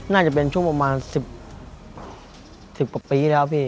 น่าจะเป็นช่วงประมาณ๑๐ปีแล้ว